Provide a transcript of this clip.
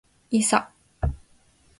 いさ